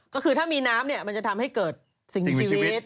ก็คือถ้ามีน้ำเนี่ยมันจะทำให้เกิดสิ่งชีวิต